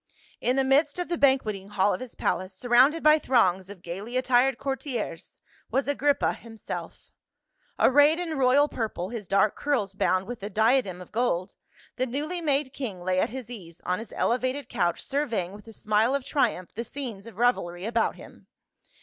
In the midst of the banqueting hall of his palace, surrounded by throngs of gaily attired courtiers, was Agrippa himself Arrayed in royal purple, his dark HERODIAS. 145 curls bound with a diadem of gold, the ncwly madc king lay at his ease on his elevated couch surveying with a smile of triumph the scenes of revelry about him.